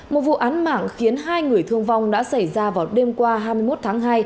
một vụ án mạng khiến hai người thương vong đã xảy ra vào đêm qua hai mươi một tháng hai